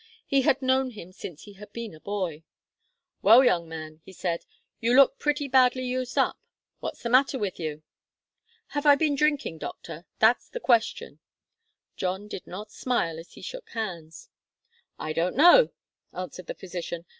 He had known him since he had been a boy. "Well, young man," he said, "you look pretty badly used up. What's the matter with you?" "Have I been drinking, doctor? That's the question." John did not smile as he shook hands. "I don't know," answered the physician.